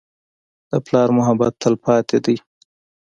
د پلار محبت تلپاتې دی.